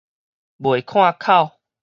袂看口